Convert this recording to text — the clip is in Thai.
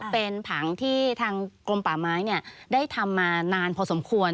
เป็นผังที่ทางกรมป่าไม้ได้ทำมานานพอสมควร